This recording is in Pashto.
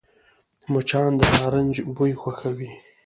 مچان د نارنج بوی خوښوي